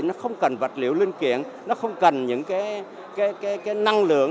nó không cần vật liệu linh kiện nó không cần những cái năng lượng